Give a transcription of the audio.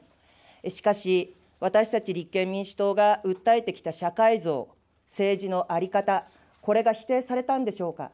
しかし、私たち立憲民主党が訴えてきた社会像、政治の在り方、これが否定されたんでしょうか。